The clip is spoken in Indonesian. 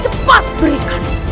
kau akan menyerahkan